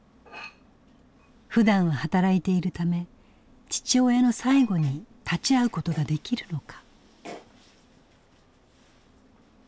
ふだんは働いているため父親の最期に立ち会うことができるのか。